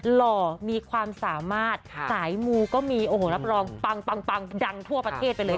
หล่อมีความสามารถสายมูก็มีโอ้โหรับรองปังปังดังทั่วประเทศไปเลย